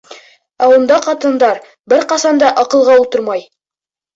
Ә ундай ҡатындар бер ҡасан да аҡылға ултырмай!..